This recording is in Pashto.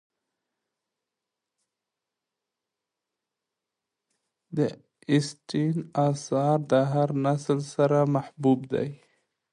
د اسټن آثار د هر نسل سره محبوب دي.